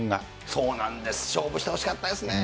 そうなんです、勝負してほしかったですね。